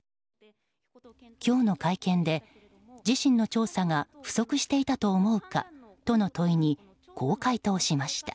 今日の会見で、自身の調査が不足していたと思うかとの問いにこう回答しました。